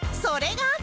それが